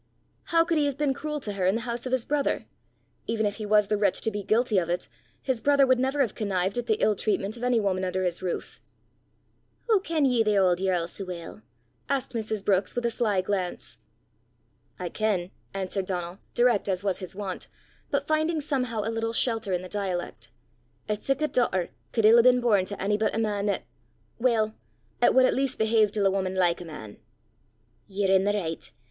"How could he have been cruel to her in the house of his brother? Even if he was the wretch to be guilty of it, his brother would never have connived at the ill treatment of any woman under his roof!" "Hoo ken ye the auld yerl sae weel?" asked Mrs. Brookes, with a sly glance. "I ken," answered Donal, direct as was his wont, but finding somehow a little shelter in the dialect, "'at sic a dauchter could ill hae been born to ony but a man 'at weel, 'at wad at least behave til a wuman like a man." "Ye're i' the richt!